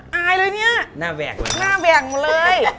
แบบว่าพามากินไง